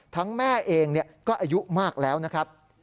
ทั้งแม่เองเนี่ยก็อายุมากแล้วนะครับ